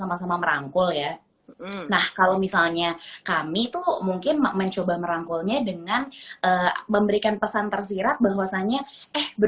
assalamualaikum wr wb